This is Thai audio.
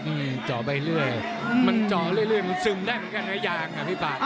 มันเจาะเรื่อยมันซึมได้เหมือนกันอย่างน่ะพี่ป๊า